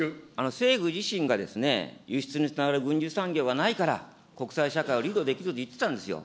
政府自身がですね、輸出につながる軍需産業がないから、国際社会をリードできると言ってたんですよ。